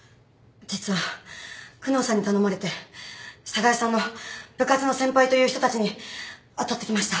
実は久能さんに頼まれて寒河江さんの部活の先輩という人たちにあたってきました。